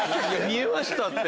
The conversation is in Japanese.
見えましたって！